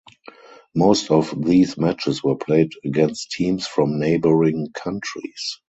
Most of these matches were played against teams from neighbouring countries.